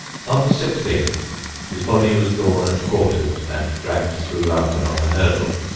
On the 16th his body was drawn and quartered and dragged through London on a hurdle.